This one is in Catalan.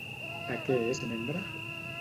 De què és membre?